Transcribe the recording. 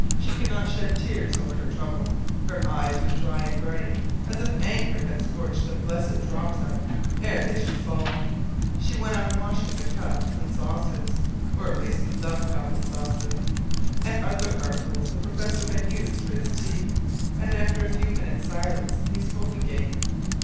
She could not shed tears over her trouble; her eyes were dry and burning, as if anger had scorched the blessed drops up ere they should fall. She went on washing up the cups and saucers, or at least the cup and saucer, and other articles the professor had used for his tea; and after a few minutes’ silence he spoke again.